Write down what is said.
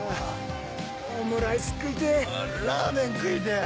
オムライス食いてぇ。